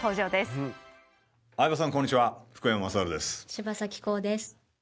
柴咲コウです。